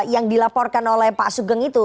yang dilaporkan oleh pak sugeng itu